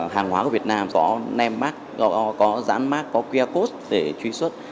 hàng hóa của việt nam có nem mát có giãn mát có qr code để truy xuất